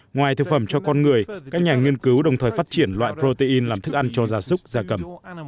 ngoài thực phẩm cho con người các nhà nghiên cứu đồng thời phát triển loại protein làm thức ăn cho gia súc gia cầm